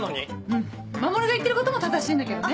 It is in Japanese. うん守が言ってることも正しいんだけどね。